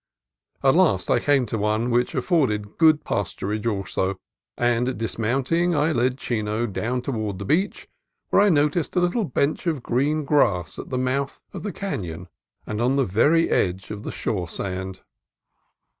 At last I came to one, which afforded good pasturage also; and, dismounting, I led Chino down toward the beach, where I noticed a little bench of green grass at the mouth of the canon and on the very edge of the shore sand.